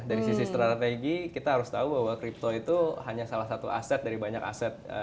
dari sisi strategi kita harus tahu bahwa kripto itu hanya salah satu aset dari banyak aset